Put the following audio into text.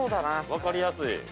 ◆分かりやすい。